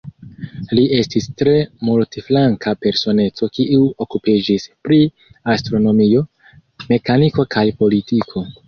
Li estis tre multflanka personeco, kiu okupiĝis pri astronomio, mekaniko kaj politiko.